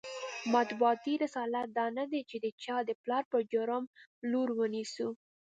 مطبوعاتي رسالت دا نه دی چې د چا د پلار په جرم لور ونیسو.